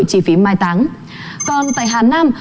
chi phí mai táng còn tại hà nam